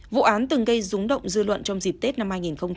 vụ án từng gây rúng động dư luận trong dịp tết năm hai nghìn một mươi chín